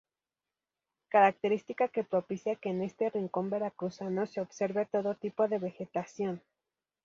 Característica que propicia que en este rincón veracruzano se observe todo tipo de vegetación.